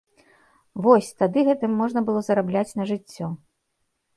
Вось, тады гэтым можна было зарабляць на жыццё.